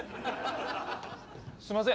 すいません